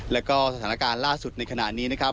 แล้วก็สถานการณ์ล่าสุดในขณะนี้นะครับ